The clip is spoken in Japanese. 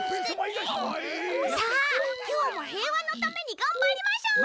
さあきょうもへいわのためにがんばりましょう。